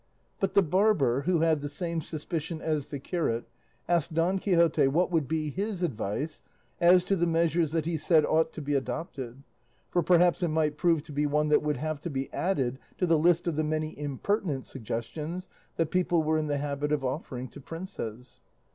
But the barber, who had the same suspicion as the curate, asked Don Quixote what would be his advice as to the measures that he said ought to be adopted; for perhaps it might prove to be one that would have to be added to the list of the many impertinent suggestions that people were in the habit of offering to princes.